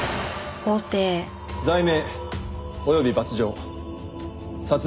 罪名及び罰条殺人罪。